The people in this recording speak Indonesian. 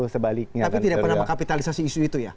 tapi tidak pernah mengkapitalisasi isu itu ya